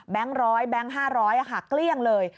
แบงค์ร้อยแบงค์ห้าร้อยเกลี้ยงเลย